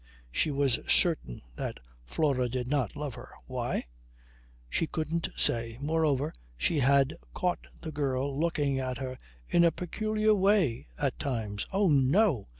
She was certain that Flora did not love her. Why? She couldn't say. Moreover, she had caught the girl looking at her in a peculiar way at times. Oh no!